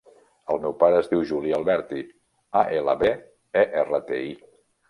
El meu pare es diu Juli Alberti: a, ela, be, e, erra, te, i.